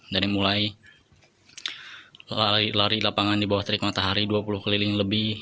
dari mulai lari lapangan di bawah terik matahari dua puluh keliling lebih